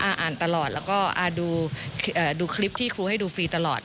อ่านตลอดแล้วก็ดูคลิปที่ครูให้ดูฟรีตลอด